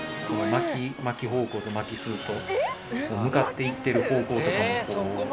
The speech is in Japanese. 巻き方向と巻き数と向かっていってる方向とかもこう。